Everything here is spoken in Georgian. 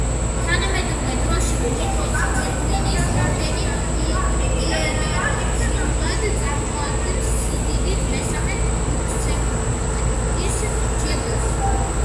თანამედროვე დროში მუხის გვირგვინის ორდენი იერარქიულად წარმოადგენს სიდიდით მესამე ლუქსემბურგის ჯილდოს.